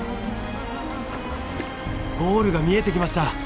ゴールが見えてきました。